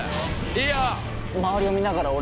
いいよ！